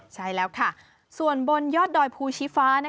ใช่แล้วค่ะส่วนบนยอดดอยภูชีฟ้า